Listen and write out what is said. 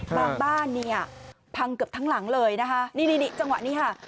บ้านเนี่ยพังเกือบทั้งหลังเลยนะคะนี่นี่จังหวะนี้ค่ะ